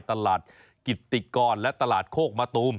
ตลาดกิติกรและตลาดโคกมะตูม